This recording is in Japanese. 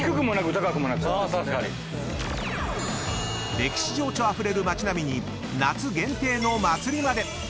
［歴史情緒あふれる町並みに夏限定の祭りまで］